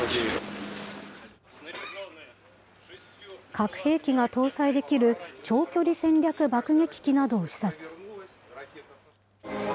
核兵器が搭載できる長距離戦略爆撃機などを視察。